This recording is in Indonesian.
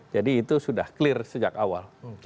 jadi itu sudah clear sejak awal